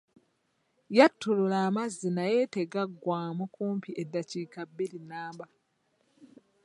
Yattulula amazzi naye nga tegaggwamu kumpi eddakiika bbiri nnamba.